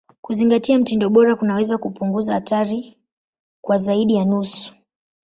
Kuzingatia mtindo bora kunaweza kupunguza hatari kwa zaidi ya nusu.